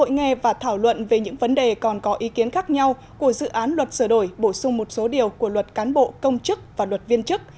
nghe và thảo luận về những vấn đề còn có ý kiến khác nhau của dự án luật sửa đổi bổ sung một số điều của luật cán bộ công chức và luật viên chức